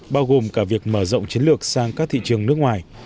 bao gồm cả việc mở rộng chiến lược sang các thị trường nước ngoài